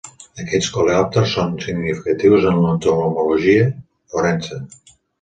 Aquests coleòpters són significatius en l'entomologia forense.